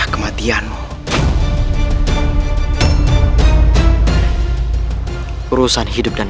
kau tidak perlu menghajar